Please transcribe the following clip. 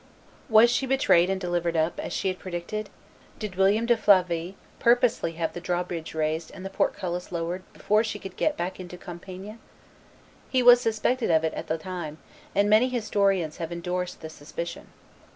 Was she betrayed and delivered up, as she had predicted? Did William de Flavy purposely have the drawbridge raised and the portcullis lowered before she could get back into Compiegne? He was suspected of it at the time, and many historians have indorsed the suspicion.